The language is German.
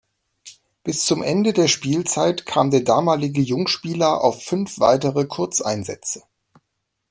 Bis zum Ende der Spielzeit kam der damalige Jungspieler auf fünf weitere Kurzeinsätze.